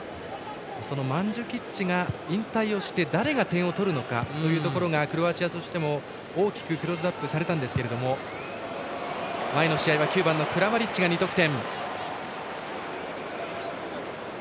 そのマンジュキッチが引退をして誰が点を取るのかというところがクロアチアとしても大きくクローズアップされたんですけど前の試合は９番のクラマリッチが２得点。